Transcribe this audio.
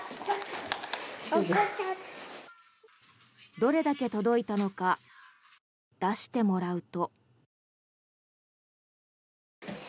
どれだけ届いたのか出してもらうと。